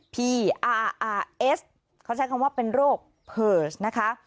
พี่อาร์อาเอสเขาใช้คำว่าเป็นโรคเพอร์สนะคะ